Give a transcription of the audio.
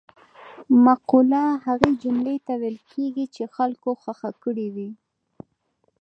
مقوله هغه جملې ته ویل کېږي چې خلکو خوښه کړې وي